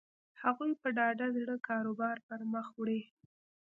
هغوی په ډاډه زړه کاروبار پر مخ وړي.